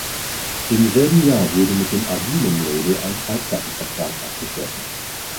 Im selben Jahr wurde mit dem Asylum-Label ein Schallplattenvertrag abgeschlossen.